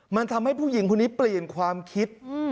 มันทำให้ผู้หญิงคนนี้เปลี่ยนความคิด